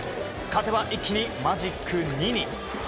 勝てば一気にマジック２に。